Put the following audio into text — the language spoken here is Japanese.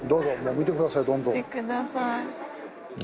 見てください。